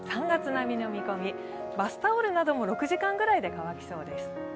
３月並みの見込み、バスタオルなども６時間ぐらいで乾きそうです。